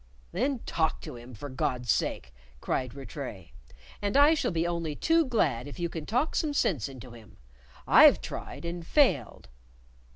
"Then talk to him, for God's sake," cried Rattray, "and I shall be only too glad if you can talk some sense into him. I've tried, and failed."